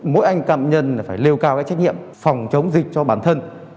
mỗi anh cám nhân phải lêu cao cái trách nhiệm phòng chống dịch cho bản thân